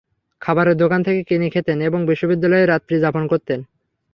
খাবারের দোকান থেকে কিনে খেতেন এবং বিশ্ববিদ্যালয়েই রাত্রি যাপন করতেন।